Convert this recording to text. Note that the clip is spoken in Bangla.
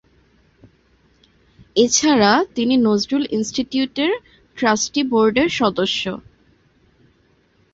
এছাড়া তিনি নজরুল ইনস্টিটিউটের ট্রাস্টি বোর্ডের সদস্য।